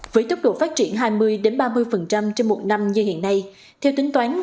với tốc độ phát triển hai mươi ba mươi trên một năm như hiện nay theo tính toán